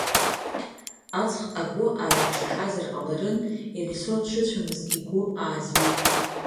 Аҵх агәы ааҩнашахьазар ҟаларын, Елисо дшыцәамыз игәы аазҩеит.